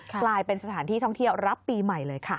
กลายเป็นสถานที่ท่องเที่ยวรับปีใหม่เลยค่ะ